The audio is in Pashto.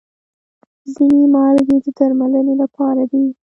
ځینې مالګې د درملنې لپاره دي.